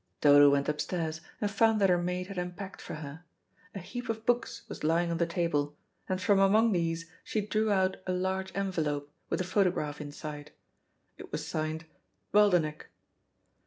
Dodo went upstairs and found that her maid had unpacked for her. A heap of books was lying on the table, and from among these she drew out a large envelope with a photograph inside. It was signed "Waldenech."